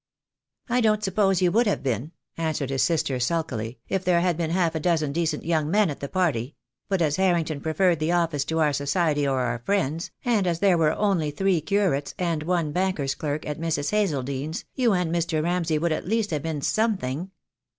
"I don't suppose you would have been," answered his sister sulkily, "if there had been half a dozen decent young men at the party; but as Harrington preferred the office to our society or our friends, and as there were only three curates and one banker's clerk at Mrs. Hazle dean's, you and Mr. Ramsay would at least have been something."